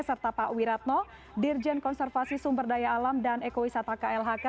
serta pak wiratno dirjen konservasi sumber daya alam dan ekowisata klhk